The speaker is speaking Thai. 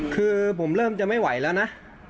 คือผมเริ่มจะไม่ไหวแล้วนะ